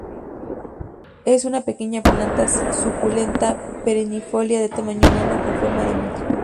Es una pequeña planta suculenta perennifolia de tamaño enano, con forma de montículo.